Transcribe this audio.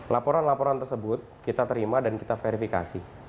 laporan laporan tersebut kita terima dan kita verifikasi